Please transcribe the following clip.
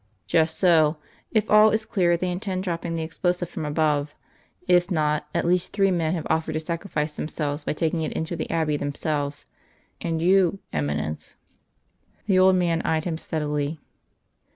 "Just so. If all is clear, they intend dropping the explosive from above; if not, at least three men have offered to sacrifice themselves by taking it into the Abbey themselves.... And you, Eminence?" The old man eyed him steadily.